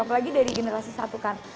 apalagi dari generasi satu kan